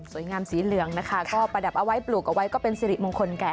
สีงามสีเหลืองนะคะก็ประดับเอาไว้ปลูกเอาไว้ก็เป็นสิริมงคลแก่